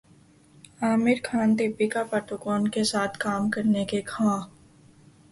عامرخان دپیکا پڈوکون کے ساتھ کام کرنے کے خواہاں